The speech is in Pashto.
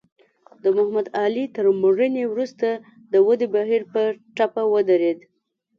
د محمد علي تر مړینې وروسته د ودې بهیر په ټپه ودرېد.